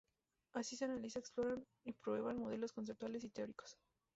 Así, se analizan, exploran y prueban modelos conceptuales y teóricos.